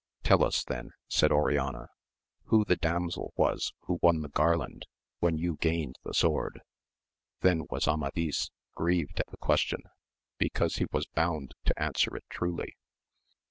Tell us then, said Oriana, who the damsel was who won the garland^when you gained the sword ? Then was Amadis grieved at the question because he was bound to answer it truly.